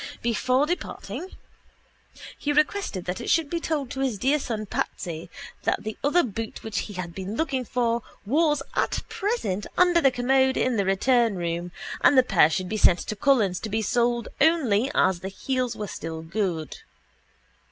Before departing he requested that it should be told to his dear son Patsy that the other boot which he had been looking for was at present under the commode in the return room and that the pair should be sent to Cullen's to be soled only as the heels were still good.